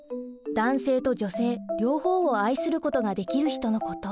男性と女性両方を愛することができる人のこと。